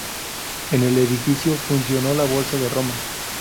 En el edificio funcionó la Bolsa de Roma.